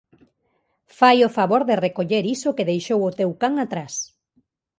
Fai o favor de recoller iso que deixou o teu can atrás.